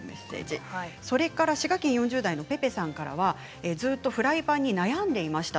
それから滋賀県４０代の方からはずっとフライパンに悩んでいました。